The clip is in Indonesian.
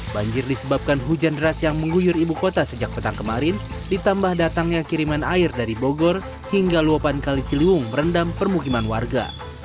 banjir disebabkan hujan deras yang mengguyur ibu kota sejak petang kemarin ditambah datangnya kiriman air dari bogor hingga luopan kaliciliung merendam permukiman warga